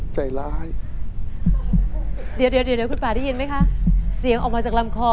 ใจร้ายเดี๋ยวเดี๋ยวคุณป่าได้ยินไหมคะเสียงออกมาจากลำคอ